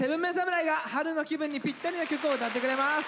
７ＭＥＮ侍が春の気分にぴったりな曲を歌ってくれます。